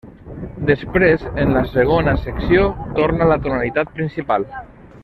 Després, en la segona secció, torna a la tonalitat principal.